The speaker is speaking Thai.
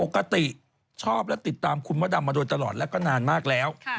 ชอบและติดตามคุณมดดำมาโดยตลอดแล้วก็นานมากแล้ว